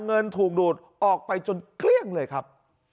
เงินถูกดูดออกไปจนเกลี้ยงเลยครับ